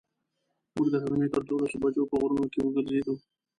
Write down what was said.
موږ د غرمې تر دولسو بجو په غرونو کې وګرځېدو.